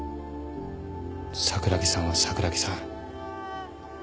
桜木さんは桜木さん。